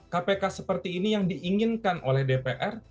kpk seperti ini yang diinginkan oleh dpr